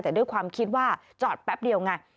แต่ด้วยความคิดว่าจอดแป๊บเดียวไง